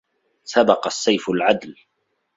سبق السيف العدل